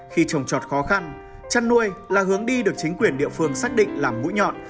khi trồng trọt khó khăn chăn nuôi là hướng đi được chính quyền địa phương xác định làm mũi nhọn